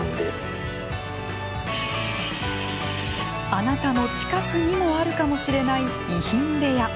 あなたの近くにもあるかもしれない遺品部屋。